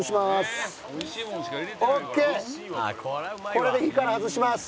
これで火から外します。